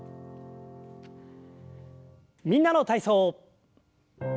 「みんなの体操」。